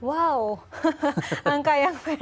wow angka yang berhiasan